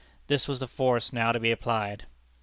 This was the force now to be applied.